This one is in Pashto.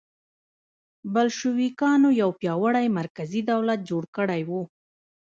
بلشویکانو یو پیاوړی مرکزي دولت جوړ کړی و.